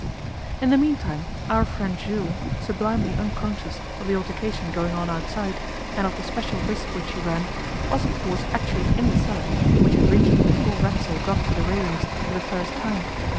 In the meantime, our friend Jules, sublimely unconscious of the altercation going on outside, and of the special risk which he ran, was of course actually in the cellar, which he had reached before Racksole got to the railings for the first time.